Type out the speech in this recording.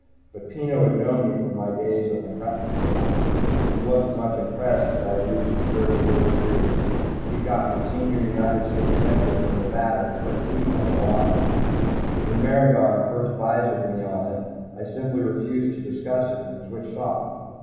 But Peno had known me from my days on the Crap Patrol, and wasn't much impressed that I'd reached the thirty third degree. He'd gotten the Senior United States senator from Nevada to put heat on the Lodge. When Maragon first visored me on it, I simply refused to discuss it and switched off.